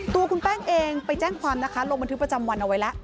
ตัวคุณแป้งเองไปแจ้งความนะคะลงบันทึกประจำวันเอาไว้แล้ว